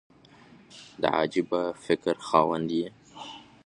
د عجبه فکر خاوند یې !